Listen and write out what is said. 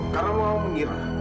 karena mama mengira